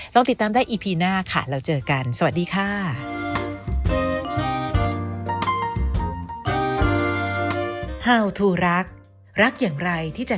ติดตามได้อีพีหน้าค่ะเราเจอกันสวัสดีค่ะ